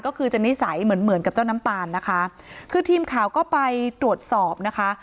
ก็คือจะนิสัยเหมือนเหมือนกับเจ้าน้ำตาลนะคะคือทีมข่าวก็ไปตรวจสอบนะคะ